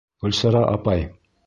Гөлсара апай!